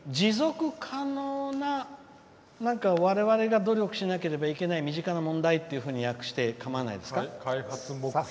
持続可能な、われわれが努力しなければいけない身近な問題って略してかまわないですか。